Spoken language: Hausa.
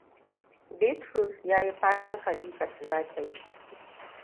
Bitrus ya yi fatan Khalifat za ta yi.